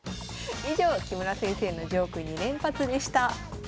以上木村先生のジョーク２連発でした。